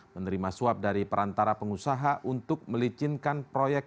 menerima suap dari perantara pengusaha untuk melicinkan proyek